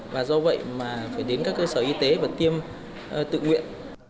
và do vậy mà phải đến các cơ sở y tế và tiêm tự nguyện